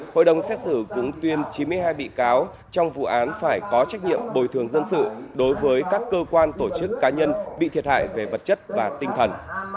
hội đồng xét xử cũng tuyên chín mươi hai bị cáo trong vụ án phải có trách nhiệm bồi thường dân sự đối với các cơ quan tổ chức cá nhân bị thiệt hại về vật chất và tinh thần